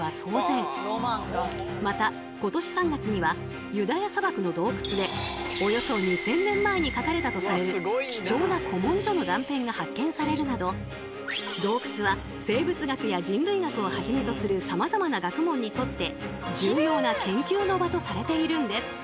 また今年３月にはユダヤ砂漠の洞窟でおよそ２，０００年前に書かれたとされる貴重な古文書の断片が発見されるなど洞窟は生物学や人類学をはじめとするさまざまな学問にとって重要な研究の場とされているんです。